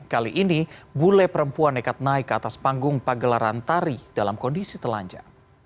kali ini bule perempuan nekat naik ke atas panggung pagelaran tari dalam kondisi telanja